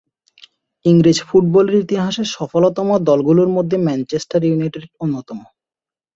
ইংরেজ ফুটবলের ইতিহাসে সফলতম দলগুলোর মধ্যে ম্যানচেস্টার ইউনাইটেড অন্যতম।